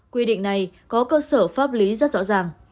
quy định này có cơ sở pháp lý rất rõ ràng